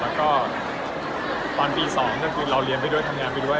แล้วก็ตอนตี๒ก็คือเราเรียนไปด้วยทำงานไปด้วย